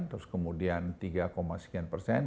terus kemudian tiga sekian persen